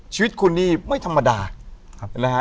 ชีวิตคุณนี่ไม่ธรรมดานะฮะ